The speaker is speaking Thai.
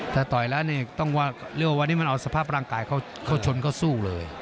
ถ้าต่อยแล้วเนี่ยต้องเรียกว่าวันนี้มันเอาสภาพร่างกายเขาชนเขาสู้เลย